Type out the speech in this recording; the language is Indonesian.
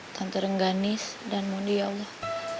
tante rengganis dan mundi ya allah